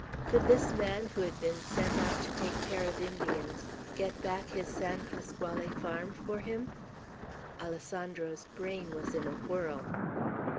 Could this man, who had been sent out to take care of Indians, get back his San Pasquale farm for him? Alessandro's brain was in a whirl.